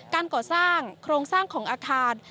การก่อสร้างโครงสร้างของอาคาร